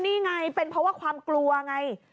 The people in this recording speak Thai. นี่ไงเป็นเพราะว่าความกลัวไง